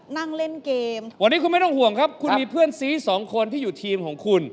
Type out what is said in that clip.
นั่งเล่นเกมวันนี้คุณไม่ต้องห่วงครับคุณมีเพื่อนซีสองคนที่อยู่ทีมของคุณ